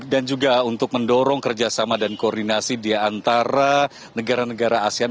dan juga untuk mendorong kerjasama dan koordinasi di antara negara negara asean